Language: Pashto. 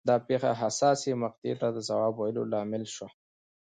دا پېښه حساسې مقطعې ته د ځواب ویلو لامل شوه.